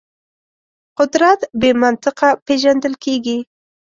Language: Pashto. قدرت بې منطقه پېژندل کېږي.